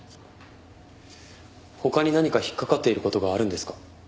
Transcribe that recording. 他に何か引っ掛かっている事があるんですか？